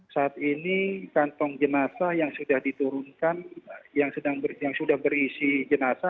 saat ini kantong jenazah yang sudah diturunkan yang sudah berisi jenazah